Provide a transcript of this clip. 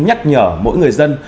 nhắc nhở mỗi người dân